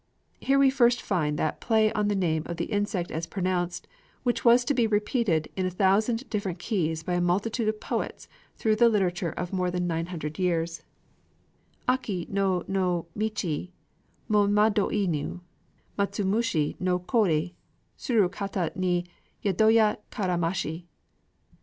Here we first find that play on the name of the insect as pronounced, which was to be repeated in a thousand different keys by a multitude of poets through the literature of more than nine hundred years: Aki no no ni Michi mo madoinu; Matsumushi no Koe suru kata ni Yadoya karamashi.